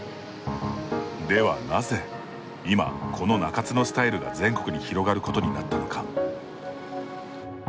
ではなぜ今この中津のスタイルが全国に広がることになったのか。